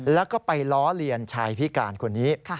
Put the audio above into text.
แล้วก็ไปล้อเลียนชายพิการคนนี้